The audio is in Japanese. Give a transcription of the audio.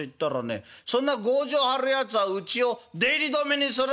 『そんな強情張るやつはうちを出入り止めにする』